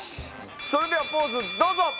それではポーズどうぞ。